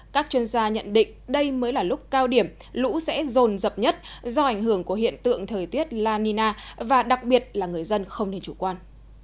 các chuyên gia nhận định đây mới là lúc cao điểm lũ sẽ rồn rập nhất do ảnh hưởng của hiện tượng thời tiết la nina và đặc biệt là người dân không nên chủ quan